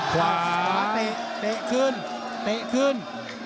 ขวาเตะขึ้น